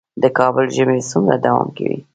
د کابل ژمی څومره دوام کوي؟